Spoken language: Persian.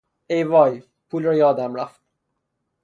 ای وای! پول را یادم رفت!